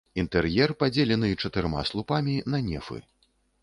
Інтэр'ер падзелены чатырма слупамі на нефы.